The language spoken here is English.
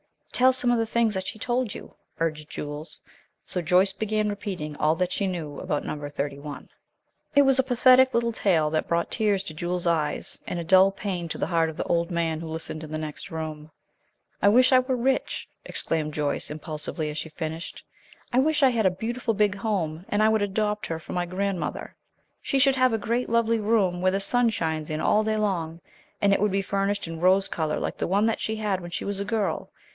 "Tell some of the things that she told you," urged Jules; so Joyce began repeating all that she knew about Number Thirty one. It was a pathetic little tale that brought tears to Jules's eyes, and a dull pain to the heart of the old man who listened in the next room. "I wish I were rich," exclaimed Joyce, impulsively, as she finished. "I wish I had a beautiful big home, and I would adopt her for my grandmother. She should have a great lovely room, where the sun shines in all day long, and it should be furnished in rose color like the one that she had when she was a girl.